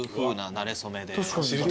なれ初め。